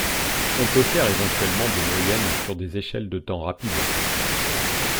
on peut faire éventuellement des moyennes sur des échelles de temps rapides